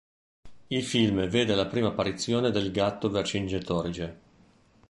Il film vede la prima apparizione del gatto Vercingetorige.